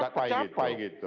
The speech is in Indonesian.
gak tercapai gitu